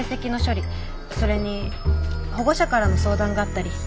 それに保護者からの相談があったり。